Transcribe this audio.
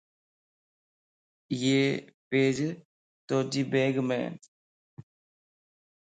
ايي پيج توجي بيگمن